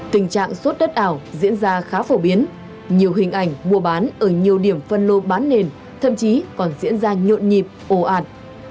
tình trạng sốt đất ảo diễn ra khá phổ biến nhiều hình ảnh mua bán ở nhiều điểm phân lô bán nền thậm chí còn diễn ra nhộn nhịp ồ ạt